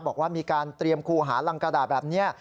บอกว่ามีการเตรียมคูหารังกระดาษแบบนี้